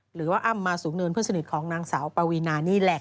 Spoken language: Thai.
หรือว่าอ้ำมาสูงเนินเพื่อนสนิทของนางสาวปวีนานี่แหละ